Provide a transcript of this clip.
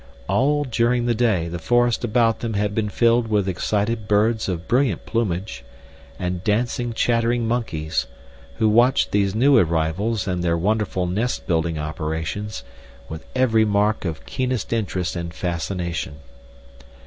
All during the day the forest about them had been filled with excited birds of brilliant plumage, and dancing, chattering monkeys, who watched these new arrivals and their wonderful nest building operations with every mark of keenest interest and fascination.